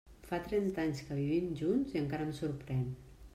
Fa trenta anys que vivim junts i encara em sorprèn.